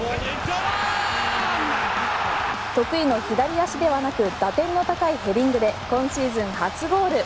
得意の左足ではなく打点の高いヘディングで今シーズン初ゴール。